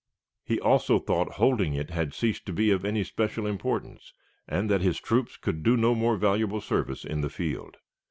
He also thought holding it had ceased to be of any special importance, and that his troops could do more valuable service in the field.